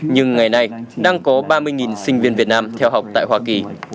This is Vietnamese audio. nhưng ngày nay đang có ba mươi sinh viên việt nam theo học tại hoa kỳ